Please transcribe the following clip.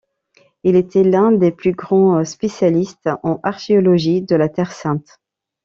Il était l'un des plus grands spécialistes en archéologie de la Terre sainte.